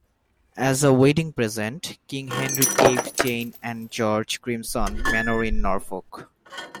As a wedding present, King Henry gave Jane and George Grimston Manor in Norfolk.